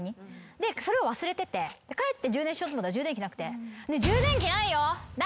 でそれを忘れてて帰って充電しようと思ったら充電器なくて。